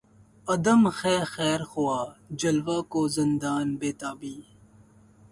عدم ہے خیر خواہ جلوہ کو زندان بیتابی